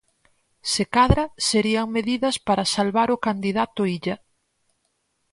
Se cadra, serían medidas para salvar o candidato Illa.